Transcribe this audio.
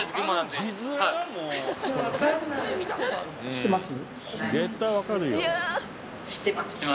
知ってます？